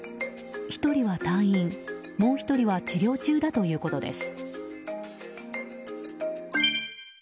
１人は退院、もう１人は治療中だということです。